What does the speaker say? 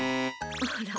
あら。